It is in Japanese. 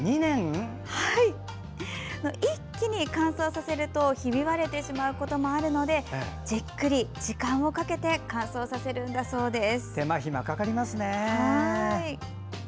一気に乾燥させるとひび割れてしまうこともあるのでじっくり時間をかけて乾燥させるのだそうです。